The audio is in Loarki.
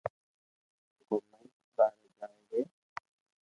گومين ٻاري جائي جي